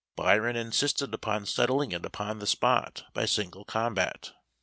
Byron insisted upon settling it upon the spot by single combat.